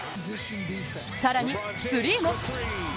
更にスリーも！